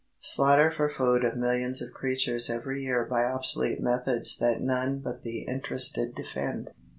Slaughter for food of millions of creatures every year by obsolete methods that none but the interested defend.